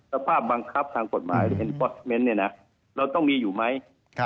สภาพบังคับทางกฎหมายเราต้องมีอยู่ไหม